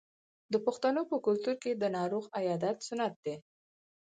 د پښتنو په کلتور کې د ناروغ عیادت سنت دی.